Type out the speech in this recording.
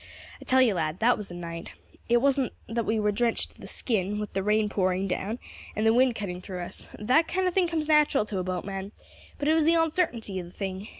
"I tell you, lad, that was a night. It wasn't that we was drenched to the skin with the rain pouring down, and the wind cutting through us that kind of thing comes natural to a boatman but it was the oncertainty of the thing.